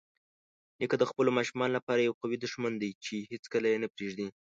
نیکه د خپلو ماشومانو لپاره یوه قوي دښمن دی چې هیڅکله یې نه پرېږدي.